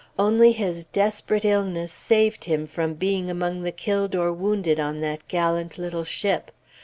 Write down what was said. Only his desperate illness saved him from being among the killed or wounded on that gallant little ship.